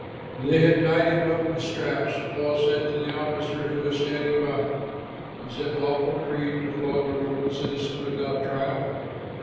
When they had tied him up with straps, Paul said to the officer who was standing by, "Is it lawful for you to flog a Roman citizen without trial?"